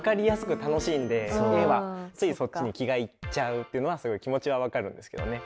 ついそっちに気がいっちゃうっていうのはすごい気持ちは分かるんですけどね。